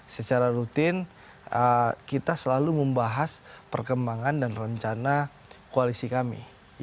secara rutin kita selalu membahas perkembangan dan rencana koalisi kami